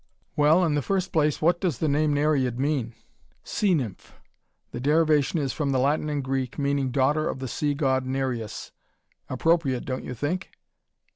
"Well, in the first place, what does the name Nereid mean?" "Sea nymph. The derivation is from the Latin and Greek, meaning daughter of the sea god Nereus. Appropriate, don't you think?"